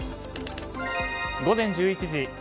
午前１１時。